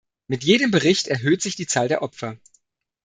Mit jedem Bericht erhöht sich die Zahl der Opfer.